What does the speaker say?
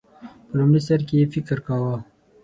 په لومړی سر کې یې فکر کاوه